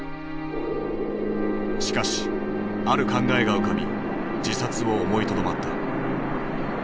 しかしある考えが浮かび自殺を思いとどまった。